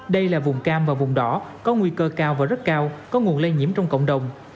đây là vùng cam và vùng đỏ có nguy cơ cao và rất cao có nguồn lây nhiễm trong cộng đồng